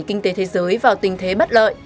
kinh tế thế giới vào tình thế bất lợi